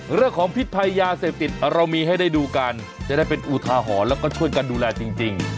พิษภัยยาเสพติดเรามีให้ได้ดูกันจะได้เป็นอุทาหรณ์แล้วก็ช่วยกันดูแลจริง